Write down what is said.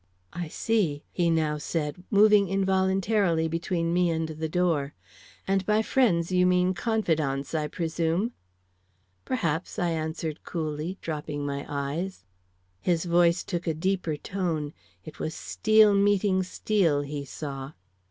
"I see," he now said, moving involuntarily between me and the door. "And by friends you mean confidantes, I presume?" "Perhaps," I answered, coolly, dropping my eyes. His voice took a deeper tone; it was steel meeting steel, he saw.